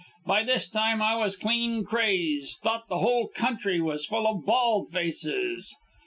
By this time I was clean crazed; thought the whole country was full of bald faces.